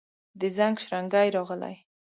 د زنګ شرنګی راغلي